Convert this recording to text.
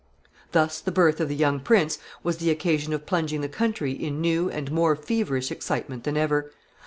Thus the birth of the young prince was the occasion of plunging the country in new and more feverish excitement than ever.